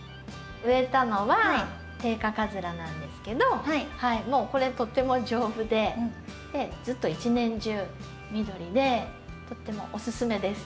植えたのはテイカカズラなんですけどもうこれとても丈夫でずっと一年中緑でとってもおすすめです。